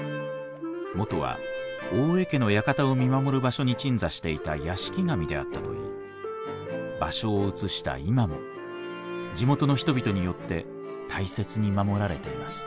元は大江家の館を見守る場所に鎮座していた屋敷神であったといい場所を移した今も地元の人々によって大切に守られています。